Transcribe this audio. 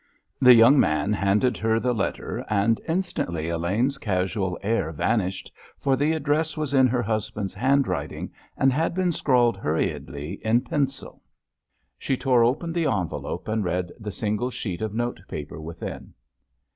The young man handed her the letter, and instantly Elaine's casual air vanished, for the address was in her husband's handwriting, and had been scrawled hurriedly in pencil. She tore open the envelope and read the single sheet of notepaper within.